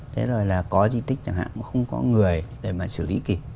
thế rồi là có di tích chẳng hạn không có người để mà xử lý kịp